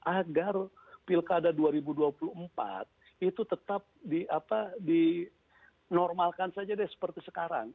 agar pilkada dua ribu dua puluh empat itu tetap dinormalkan saja deh seperti sekarang